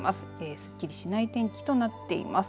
すっきりしない天気となっています。